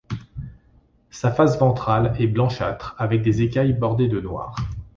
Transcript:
Sa face ventrale est blanchâtre avec des écailles bordées de noir.